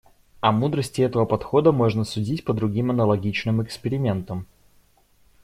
О мудрости этого подхода можно судить по другим аналогичным экспериментам.